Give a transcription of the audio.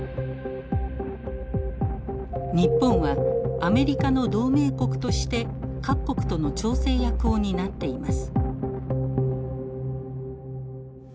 日本はアメリカの同盟国として各国との調整役を担っています。